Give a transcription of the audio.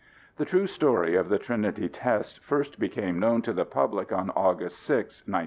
The true story of the Trinity test first became known to the public on August 6, 1945.